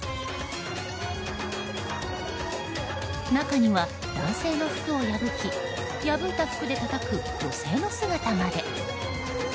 中には男性の服を破き破いた服でたたく女性の姿まで。